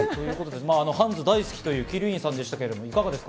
ハンズ大好きという鬼龍院さんでしたけど、いかがですか？